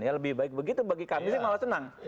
ya lebih baik begitu bagi kami sih malah senang